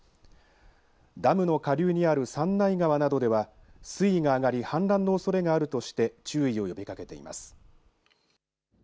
ダムの下流にある三内川などでは水位が上がり氾濫のおそれがあるとして注意を呼びかけています。